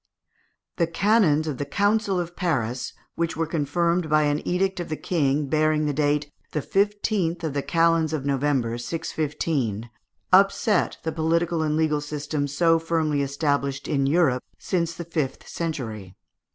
The canons of the Council of Paris, which were confirmed by an edict of the King bearing date the 15th of the calends of November, 615, upset the political and legal system so firmly established in Europe since the fifth century.